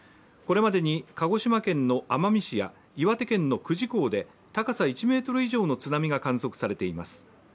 これまでに鹿児島県の奄美市や岩手県の久慈港で高さ１ｍ以上の津波が観測されています。